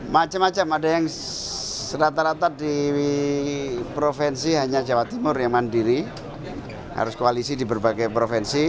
macam macam ada yang serata rata di provinsi hanya jawa timur yang mandiri harus koalisi di berbagai provinsi